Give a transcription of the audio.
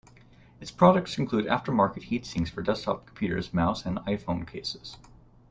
Its products include aftermarket heat sinks for desktop computers, mouse and iPhone cases.